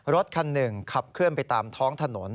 รถคันหนึ่งขับเคลื่อนไปตามท้องถนน